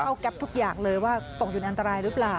เข้าแก๊ปทุกอย่างเลยว่าตกจุดอันตรายรึเปล่า